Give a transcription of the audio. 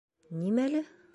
Нимә әле?